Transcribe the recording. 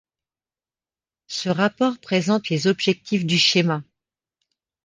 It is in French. Ce rapport présente les objectifs du schéma.